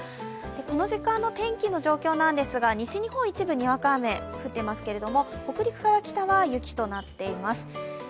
この時間の天気の状況なんですが、西日本一部にわか雨が降っていますけれども、北陸から北は雪となっています。